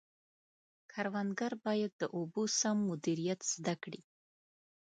کروندګر باید د اوبو سم مدیریت زده کړي.